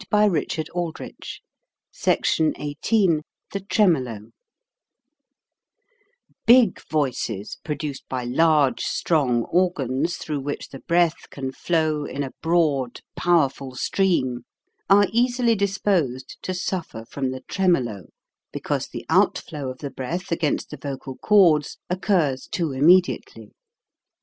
(See section on Pronunciation.) SECTION XVIII THE TREMOLO BIG voices produced by large, strong organs through which the breath can flow in a broad, powerful stream, are easily disposed to suffer from the tremolo, because the outflow of the breath against the vocal cords occurs too immediately.